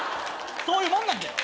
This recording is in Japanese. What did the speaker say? そういうもんなんだよ。